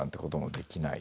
できない。